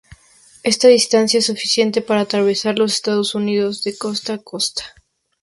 Esta distancia es suficiente para atravesar Los Estados Unidos de costa a costa.